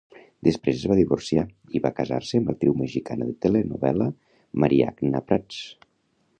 Després es va divorciar i va casar-se amb l'actriu mexicana de telenovel·la Mariagna Pratts.